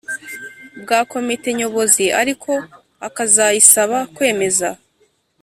Bwa komite nyobozi ariko akazayisaba kwemeza